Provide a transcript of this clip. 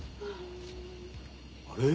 あれ？